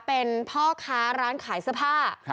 เป็นงงเป็นพ่อค้าร้านขายสภาพ